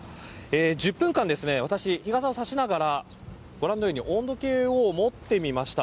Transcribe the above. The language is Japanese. １０分間、私日傘を差しながらご覧のように温度計を持ってみました。